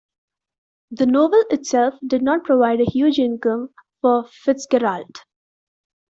The novel itself did not provide a huge income for Fitzgerald.